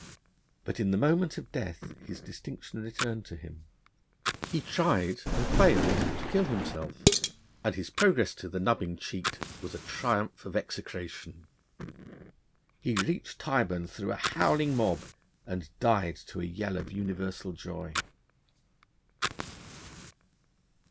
But in the moment of death his distinction returned to him. He tried, and failed, to kill himself; and his progress to the nubbing cheat was a triumph of execration. He reached Tyburn through a howling mob, and died to a yell of universal joy.